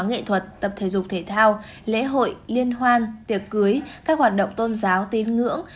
nghệ thuật tập thể dục thể thao lễ hội liên hoan tiệc cưới các hoạt động tôn giáo tín ngưỡng